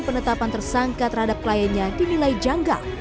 penetapan tersangka terhadap kliennya dinilai janggal